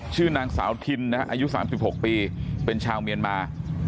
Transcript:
ชื่อนางสาวทินนะฮะอายุ๓๖ปีเป็นชาวเมียนมา